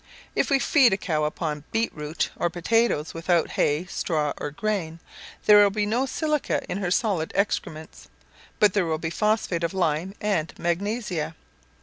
If we feed a cow upon beetroot, or potatoes, without hay, straw or grain, there will be no silica in her solid excrements, but there will be phosphate of lime and magnesia.